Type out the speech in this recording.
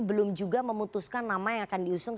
belum juga memutuskan nama yang akan diusung